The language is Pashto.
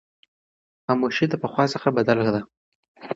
خاموشي له پخوا څخه بدله ده.